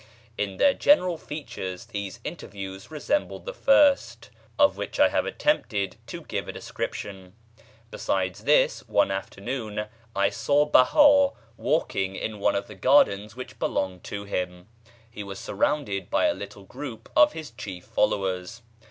In their general features these interviews resembled the first, of which I have attempted to give a description. Besides this, one afternoon I saw Behá walking in one of the gardens which belong to him. He was surrounded by a little group of his chief followers.